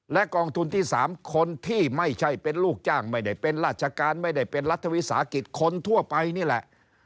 และกองทุนที่๓คนที่ไม่ใช่เป็นลูกจ้างไม่ได้เป็นราชการไม่ได้เป็นรัฐวิสาหกิจคนทั่วไปนี่แหละ